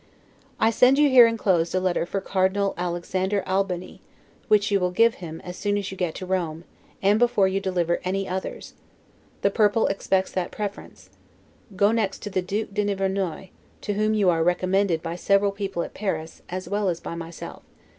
I send you here inclosed a letter for Cardinal Alexander Albani, which you will give him, as soon as you get to Rome, and before you deliver any others; the Purple expects that preference; go next to the Duc de Nivernois, to whom you are recommended by several people at Paris, as well as by myself.